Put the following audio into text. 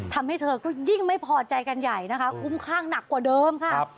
ทำให้เธอก็ยิ่งไม่พอใจกันใหญ่นะคะคุ้มข้างหนักกว่าเดิมค่ะ